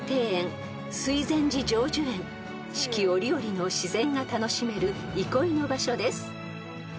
［四季折々の自然が楽しめる憩いの場所です］